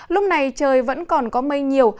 lúc này trời vẫn còn có mây nhiều